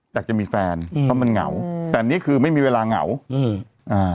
อยากจะมีแฟนเพราะมันเหงาแต่อันนี้คือไม่มีเวลาเหงาอือ